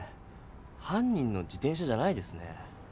犯人の自転車じゃないですね。